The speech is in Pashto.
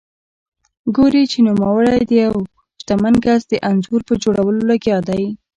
ګوري چې نوموړی د یوه شتمن کس د انځور په جوړولو لګیا دی.